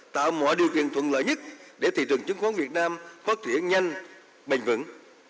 tạo mọi điều kiện thuận lợi nhất để thị trường chứng khoán việt nam phát triển nhanh bình vững